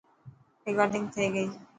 رڪارڊنگ ٿي گئي.